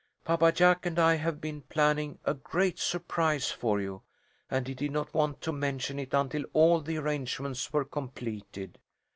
Papa Jack and I have been planning a great surprise for you, and he did not want to mention it until all the arrangements were completed.